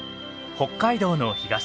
北海道の東